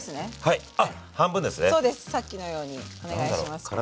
さっきのようにお願いしますからね。